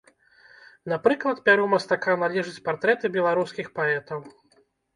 Напрыклад, пяру мастака належаць партрэты беларускіх паэтаў.